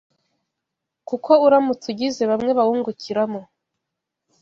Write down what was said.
kuko uramutse ugize bamwe bawungukiramo